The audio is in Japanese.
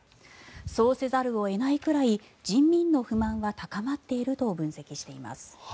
そうせざるを得ないくらい人民の不満は高まっていると分析しています。